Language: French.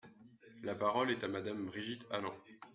La parole est à Madame Brigitte Allain.